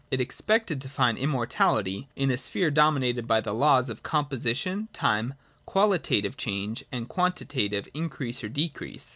It expected to find immortahty in a sphere dominated by the laws of com position, time, qualitative change, and quantitative increase or decrease.